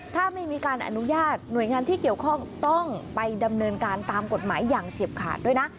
ถ้าไม่มีการอนุญาตหน่วยงานที่เกี่ยวข้องต้องไปดำเนินการตามกฎหมายอย่างเฉียบขาดด้วยนะ